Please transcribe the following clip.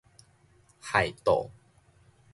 械鬥